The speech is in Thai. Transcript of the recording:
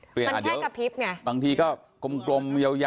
เปลี่ยนอ่ะเดี๋ยวมันแค่กระพริบไงบางทีก็กลมยาวอะไร